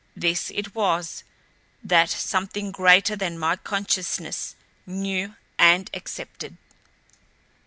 This it was that something greater than my consciousness knew and accepted.